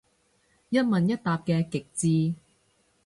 一問一答嘅極致